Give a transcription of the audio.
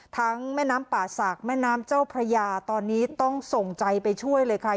แม่น้ำป่าศักดิ์แม่น้ำเจ้าพระยาตอนนี้ต้องส่งใจไปช่วยเลยค่ะ